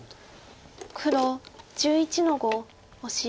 黒１１の五オシ。